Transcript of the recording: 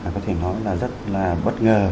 có thể nói là rất là bất ngờ